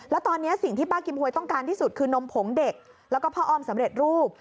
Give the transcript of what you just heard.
แล้วตอนนี้สิ่งที่ป้ากิมหวยต้องการที่สุดคือนมผงเด็กแล้วก็พ่ออ้อมสำเร็จรูป